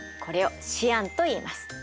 これをシアンといいます。